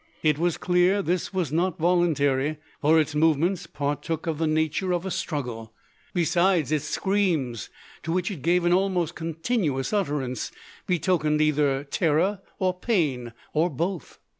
It was clear this was not voluntary; for its movements partook of the nature of a struggle. Besides, its screams, to which it gave an almost continuous utterance, betokened either terror or pain, or both.